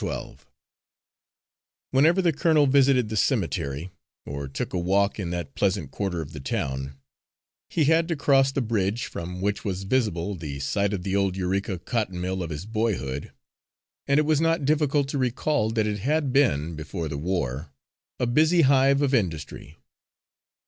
Twelve Whenever the colonel visited the cemetery, or took a walk in that pleasant quarter of the town, he had to cross the bridge from which was visible the site of the old Eureka cotton mill of his boyhood, and it was not difficult to recall that it had been, before the War, a busy hive of industry.